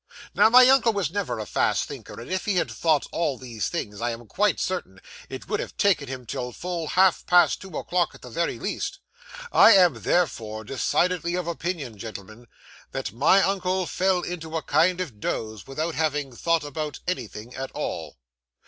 Now, my uncle was never a fast thinker, and if he had thought all these things, I am quite certain it would have taken him till full half past two o'clock at the very least. I am, therefore, decidedly of opinion, gentlemen, that my uncle fell into a kind of doze, without having thought about anything at all.